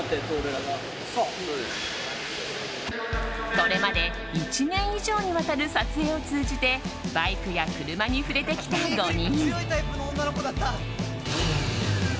これまで１年以上にわたる撮影を通じてバイクや車に触れてきた５人。